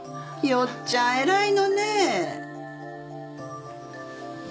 義ちゃん偉いのね